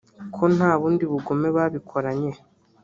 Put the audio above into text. ko nta bundi bugome babikoranye